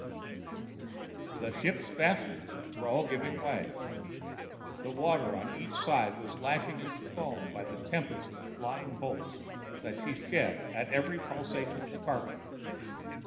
The ship's fastenings were all giving way; the water on each side was lashed into foam by the tempest of flying bolts that she shed at every pulsation of the cargo.